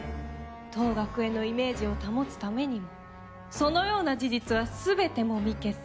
当学園のイメージを保つためにもそのような事実は全てもみ消す。